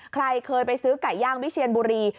ใครเคยไปซื้อไก่ย่างวิเชียนบุรี